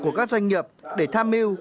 của các doanh nghiệp để tham mưu